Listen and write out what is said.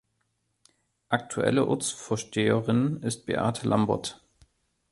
Aktuelle Ortsvorsteherin ist Beate Lambert.